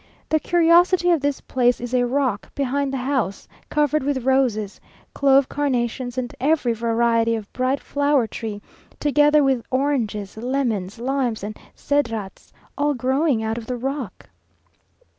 The curiosity of this place is a rock behind the house, covered with roses, clove carnations, and every variety of bright flower tree, together with oranges, lemons, limes, and cedrats, all growing out of the rock.